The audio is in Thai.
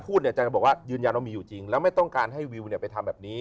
พูดเนี่ยจังห์บอกว่ายืนยันว่ามีอยู่จริงแล้วไม่ต้องการให้วิวเนี่ยไปทำแบบนี้